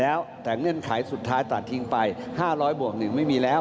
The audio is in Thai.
แล้วแต่เงื่อนไขสุดท้ายตัดทิ้งไป๕๐๐บวก๑ไม่มีแล้ว